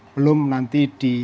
belum nanti di